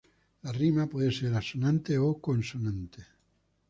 La rima puede ser asonante o consonante.